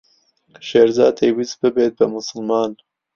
شێرزاد دەیویست ببێت بە موسڵمان.